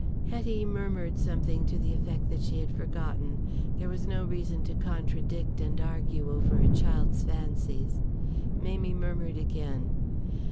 Hetty murmured something to the effect that she had forgotten. There was no reason to contradict and argue over a child's fancies. Mamie murmured again.